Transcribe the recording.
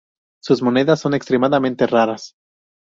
Sus monedas son extremadamente raras.